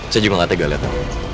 saya juga gak tegas liatnya